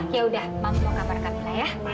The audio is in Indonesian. yaudah mama mau kabar kamilah ya